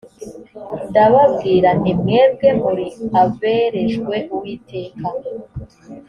ndababwira nti mwebwe muri aberejwe uwiteka